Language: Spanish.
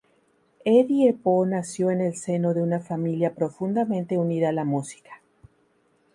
Eddie Bo nació en el seno de una familia profundamente unida a la música.